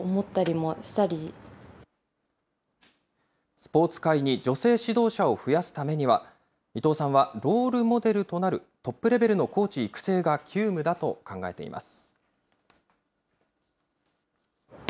スポーツ界に女性指導者を増やすためには、伊藤さんは、ロールモデルとなるトップレベルのコーチ育成が急務だと考えています。